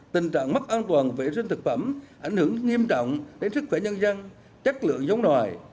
tình trạng mất an toàn vệ sinh thực phẩm ảnh hưởng nghiêm trọng đến sức khỏe nhân dân chất lượng giống nòi